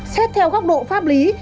xét theo góc độ pháp lý